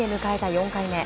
４回目。